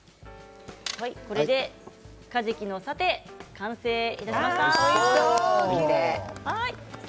かじきのサテ完成いたしました。